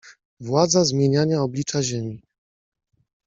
Władza zmieniania oblicza ziemi.